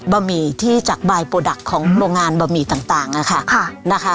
บะหมี่ที่จากบายโปรดักต์ของโรงงานบะหมี่ต่างต่างอะค่ะค่ะนะคะ